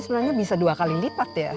sebenarnya bisa dua kali lipat ya